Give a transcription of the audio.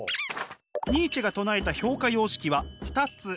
ニーチェが唱えた評価様式は２つ。